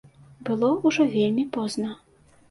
Было ўжо вельмі позна.